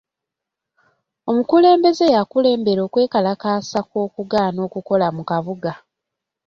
Omukulembeze yakulembera okwekalakasa kw'okugaana okukola mu kabuga.